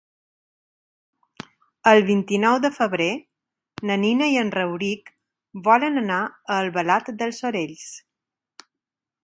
El vint-i-nou de febrer na Nina i en Rauric volen anar a Albalat dels Sorells.